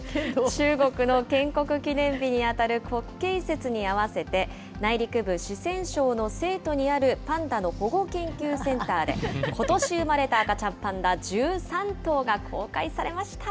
中国の建国記念日に当たる国慶節に合わせて、内陸部、四川省の成都にあるパンダの保護研究センターで、今年産まれた赤ちゃんパンダ、１３頭が公開されました。